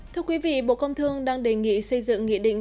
thưa quý vị bộ công thương đang đề nghị xây dựng nghị định